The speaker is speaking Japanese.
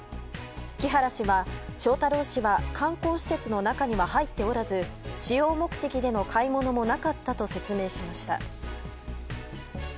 木原氏は、翔太郎氏は観光施設の中には入っておらず私用目的での買い物もなかったと説明しました。